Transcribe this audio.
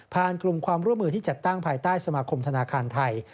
กลุ่มความร่วมมือที่จัดตั้งภายใต้สมาคมธนาคารไทย